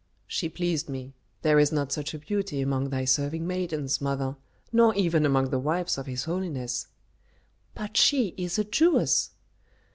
"She pleased me. There is not such a beauty among thy serving maidens, mother, nor even among the wives of his holiness." "But she is a Jewess!"